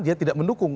dia tidak mendukung